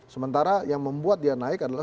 sementara yang membuat dia naik adalah